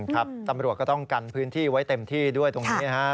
ครับตำรวจก็ต้องกันพื้นที่ไว้เต็มที่ด้วยตรงนี้นะครับ